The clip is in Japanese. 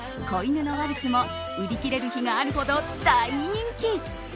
子犬のワルツも売り切れる日があるほど大人気。